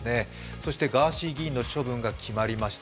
そしてガーシー議員の処分が決まりました。